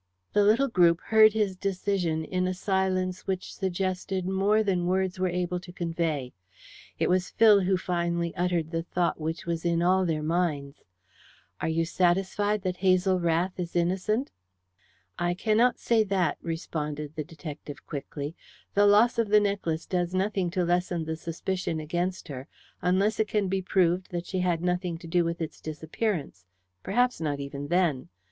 The little group heard his decision in a silence which suggested more than words were able to convey. It was Phil who finally uttered the thought which was in all their minds: "Are you satisfied that Hazel Rath is innocent?" "I cannot say that," responded the detective quickly. "The loss of the necklace does nothing to lessen the suspicion against her unless it can be proved that she had nothing to do with its disappearance perhaps not even then.